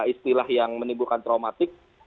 istilah yang menimbulkan traumatik